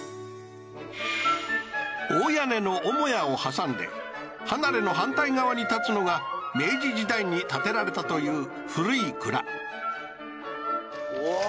大屋根の母屋を挟んで離れの反対側に建つのが明治時代に建てられたという古い蔵